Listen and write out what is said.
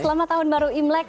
selamat tahun baru imlek